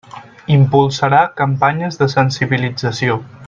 Impulsarà campanyes de sensibilització.